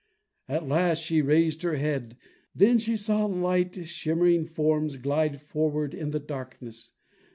At last she raised her head; then she saw light, shimmering forms glide forward in the darkness.